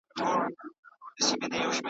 بلکې دا دی چې د هغه کار ولولو